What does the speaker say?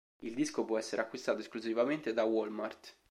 Il disco può essere acquistato esclusivamente da Walmart.